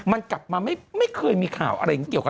มันกลับมาไม่เคยมีข่าวอะไรอย่างนี้เกี่ยวกับ